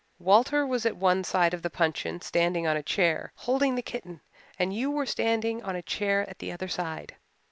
Walter was at one side of the puncheon standing on a chair, holding the kitten, and you were standing on a chair at the other side.